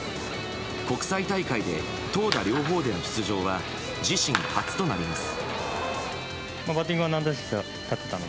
国際大会で投打両方での出場は自身初となります。